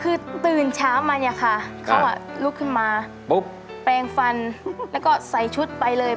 คือตื่นเช้ามาเนี่ยค่ะเขาลุกขึ้นมาปุ๊บแปลงฟันแล้วก็ใส่ชุดไปเลย